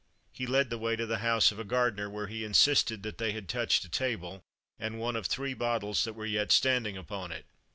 He led the way to the house of a gardener, where he insisted that they had touched a table and one of three bottles that were yet standing upon it.